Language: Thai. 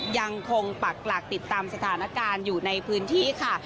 ปักหลักติดตามสถานการณ์อยู่ในพื้นที่ค่ะ